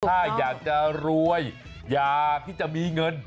ถ้าอยากจะรวยอยากที่จะมีเงิน